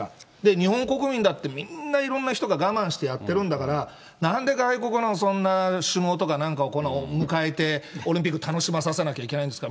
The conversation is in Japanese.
日本国民だって、みんないろんな人が我慢してやってるんだから、なんで外国の、そんな首脳とかなんかを迎えて、オリンピック楽しまさせなきゃいけないんですか。